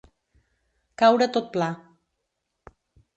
Caure tot pla.